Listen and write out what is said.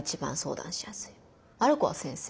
ある子は先生。